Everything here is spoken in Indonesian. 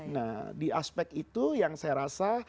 nah di aspek itu yang saya rasa